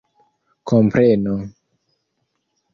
kompreno